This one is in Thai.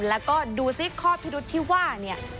แล้วก็ดูสิข้อพิรุษที่ว่าเนี่ย